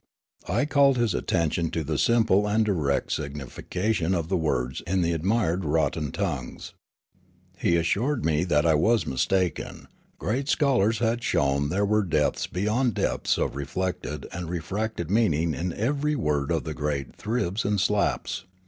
I called his attention to the simple and direct significa tion of the words in the admired rotten tongues. He assured me that I was mistaken ; great scholars had shown how there were depths beyond depths of reflected and refracted meaning in every word of the great Thribs and Slaps.